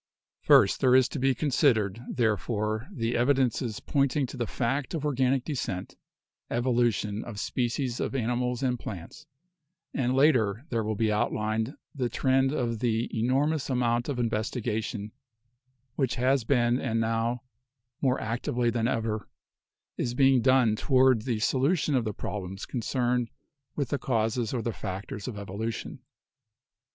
First there is to be considered, therefore, the evidences pointing to the fact of organic descent (evolution) ot species of animals and plants and later there will be out lined the trend of the enormous amount of investigation 128 BIOLOGY which has been and now more actively than ever is being done toward the solution of the problems concerned with the causes or the factors of evolution.